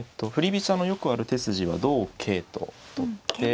飛車のよくある手筋は同桂と取って。